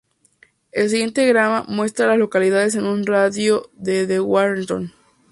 El siguiente diagrama muestra a las localidades en un radio de de Warrenton.